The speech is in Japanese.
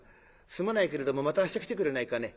すまないけれどもまた明日来てくれないかね？